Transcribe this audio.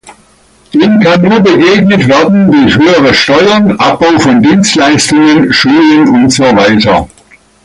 Dem kann nur begegnet werden durch höhere Steuern, Abbau von Dienstleistungen, Schulen und so weiter.